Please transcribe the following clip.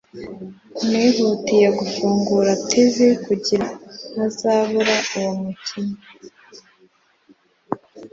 Nihutiye gufungura TV kugirango ntazabura uwo mukino